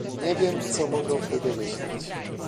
Nie wiem, co mogą wtedy myśleć